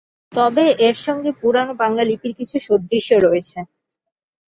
তবে এর সঙ্গে পুরনো বাংলা লিপির কিছু সাদৃশ্য রয়েছে।